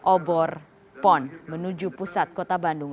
obor pon menuju pusat kota bandung